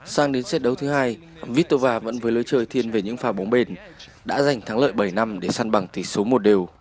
sang đến xếp đấu thứ hai vittova vẫn với lối chơi thiên về những phà bóng bền đã giành thắng lợi bảy năm để săn bằng tỷ số một đều